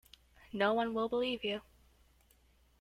No one will believe you.